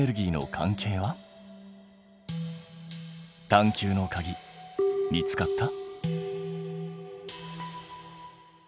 探究のかぎ見つかった？